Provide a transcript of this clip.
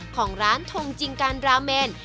ของร้านทงจิงกันราเมน